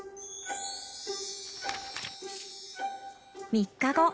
３日後。